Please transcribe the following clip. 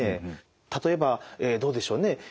例えばどうでしょうね？